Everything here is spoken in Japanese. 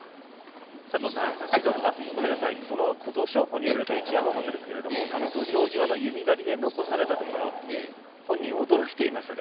琴勝峰に敗れた一山本ですけども土俵際、弓なりで残されたところ本人も驚いていました。